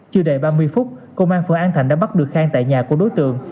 chưa đầy ba mươi phút công an phường an thạnh đã bắt được khang tại nhà của đối tượng